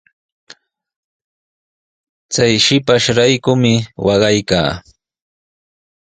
Chay shipashraykumi waqaykaa.